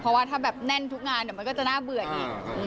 เพราะว่าถ้าแบบแน่นทุกงานเดี๋ยวมันก็จะน่าเบื่ออีก